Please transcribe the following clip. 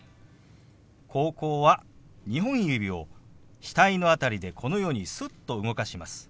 「高校」は２本指を額の辺りでこのようにすっと動かします。